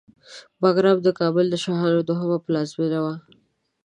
بګرام د کابل شاهانو دوهمه پلازمېنه وه